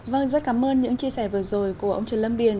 vâng rất cảm ơn những chia sẻ vừa rồi của ông trần lâm điền